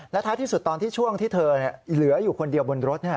ท้ายที่สุดตอนที่ช่วงที่เธอเหลืออยู่คนเดียวบนรถ